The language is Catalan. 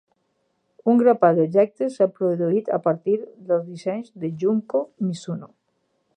Un grapat d'objectes s'ha produït a partir dels dissenys de Junko Mizuno.